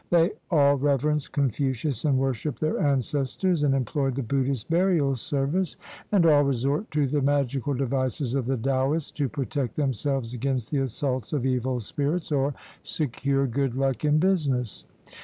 They all reverence Confucius and worship their ancestors, and employ the Buddhist burial serxace; and all resort to the magical devices of the Taoists to protect themselves against the assaults of evil spirits, or secure "good luck" in business.